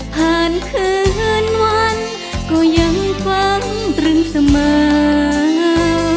ผ่านคืนวันก็ยังกว้างตรึงสม่า